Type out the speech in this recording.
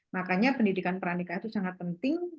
makanya pendidikan pernikah itu sangat penting